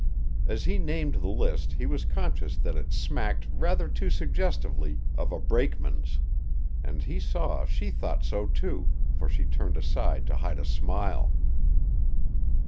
As he named the list he was conscious that it smacked rather too suggestively of a brakeman's, and he saw she thought so too, for she turned aside to hide a smile.